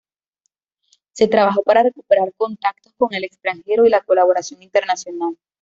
Se trabajó para recuperar contactos con el extranjero y la colaboración internacional.